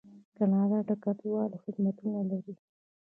کاناډا د کډوالو خدمتونه لري.